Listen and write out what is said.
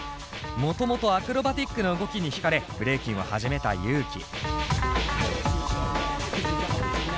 もともとアクロバティックな動きに引かれブレイキンを始めたＹＵ−ＫＩ。